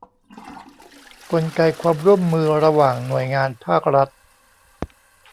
กลไกความร่วมมือระหว่างหน่วยงานภาครัฐ